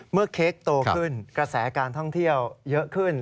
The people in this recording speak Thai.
เค้กโตขึ้นกระแสการท่องเที่ยวเยอะขึ้น